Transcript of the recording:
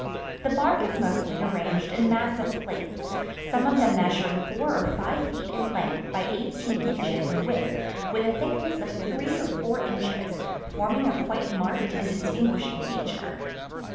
The bark is mostly arranged in massive plates, some of them measuring four or five feet in length by eighteen inches in width, with a thickness of three or four inches, forming a quite marked and distinguishing feature.